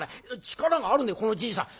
力があるねこのじいさん。